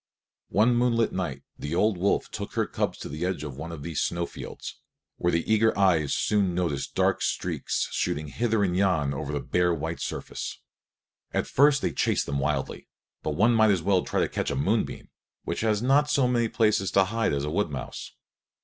One moonlit night the old wolf took her cubs to the edge of one of these snow fields, where the eager eyes soon noticed dark streaks shooting hither and yon over the bare white surface. At first they chased them wildly; but one might as well try to catch a moonbeam, which has not so many places to hide as a wood mouse.